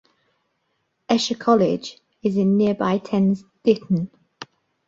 Esher College is in nearby Thames Ditton.